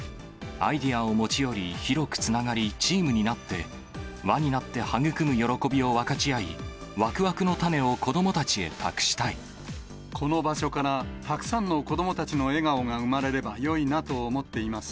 アイデアを持ち寄り、広くつながり、チームになって、輪になって育む喜びを分かち合い、わくわくの種を子どもたちへ託しこの場所からたくさんの子どもたちの笑顔が生まれればよいなと思っています。